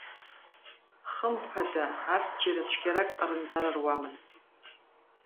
Хымԥада, арҭ џьара цәгьарак ҟарымҵар руамызт.